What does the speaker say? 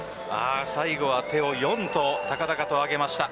最後は手を４と高々と上げました。